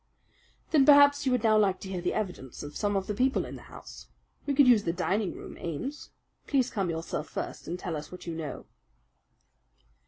"Then perhaps you would now like to hear the evidence of some of the people in the house. We could use the dining room, Ames. Please come yourself first and tell us what you know."